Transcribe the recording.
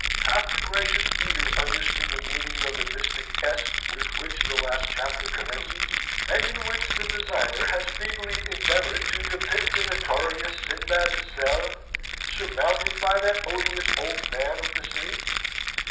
Hath the gracious reader understood the meaning of the mystic S with which the last chapter commences, and in which the designer has feebly endeavoured to depict the notorious Sinbad the Sailor, surmounted by that odious old man of the sea?